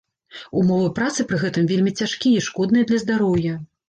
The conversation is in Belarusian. Умовы працы пры гэтым вельмі цяжкія і шкодныя для здароўя.